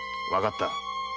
わかった。